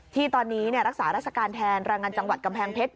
ที่ตอนนี้รักษาราชการแทนแรงงานจังหวัดกำแพงเพชร